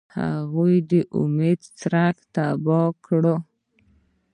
هغوی د امید څرک تیاره کړ.